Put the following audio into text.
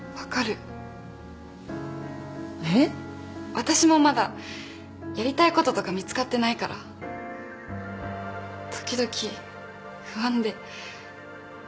私もまだやりたいこととか見つかってないから時々不安で。